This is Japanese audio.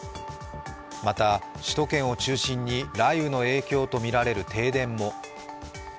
また、首都圏を中心に雷雨の影響とみられる停電も。